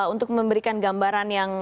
untuk memberikan gambaran yang